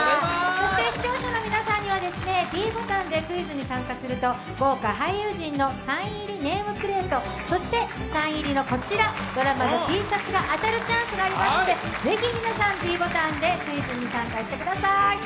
視聴者の皆さんにはｄボタンでクイズに参加すると豪華俳優陣のサイン入りネームプレート、そして、サイン入りのドラマのＴシャツが当たるチャンスがありますのでぜひ皆さん、ｄボタンでクイズに参加してください。